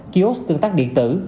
kiosk tương tác điện tử